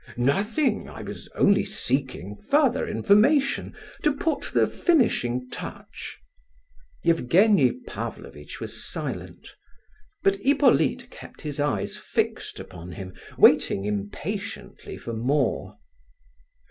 "Nothing. I was only seeking further information, to put the finishing touch." Evgenie Pavlovitch was silent, but Hippolyte kept his eyes fixed upon him, waiting impatiently for more.